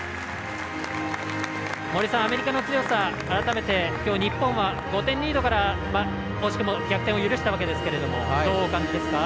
森さん、アメリカの強さ、改めてきょう日本は５点リードから惜しくも逆転を許したわけですけれどもどうお感じですか？